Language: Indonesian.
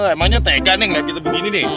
emangnya tega nih ngeliat kita begini nih